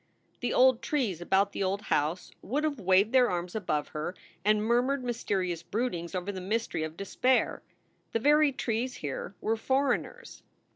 The old trees about the old house would have waved their arms above her, and murmured mysterious broodings over the mystery of despair. The very trees here were foreigners.